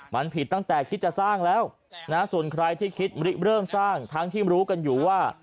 มันผิดตั้งแต่คิดจะสร้างแล้วนะส่วนใครที่คิดเริ่มสร้างทั้งที่รู้กันอยู่ว่า